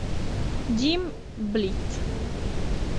Jim Blyth